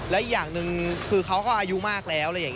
และอีกอย่างหนึ่งคือเขาก็อายุมากแล้ว